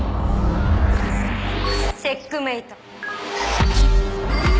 チェックメイト。